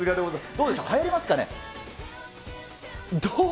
どうでしょう、はやりますかね。